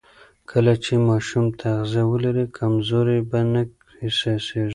کله چې ماشوم تغذیه ولري، کمزوري به نه احساسېږي.